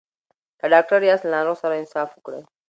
که ډاکټر یاست له ناروغ سره انصاف وکړئ.